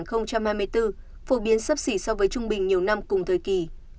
phổ biến sấp xỉ so với trung bình nhiều năm cùng thời kỳ